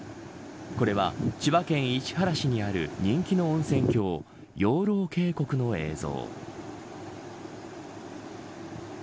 これは、千葉県市原市にある人気の温泉郷養老渓谷の映像。